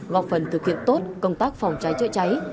góp phần thực hiện tốt công tác phòng cháy chữa cháy